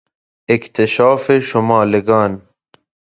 اکتشاف شمالگان